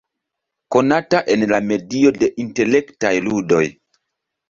Konata en la medio de intelektaj ludoj.